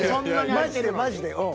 マジでマジでうん。